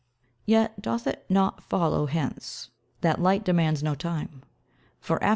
Yet doth it not follow hence, that Light demands no time. For after M.